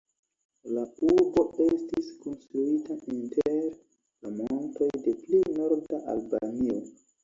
La urbo estis konstruita inter la montoj de pli norda Albanio.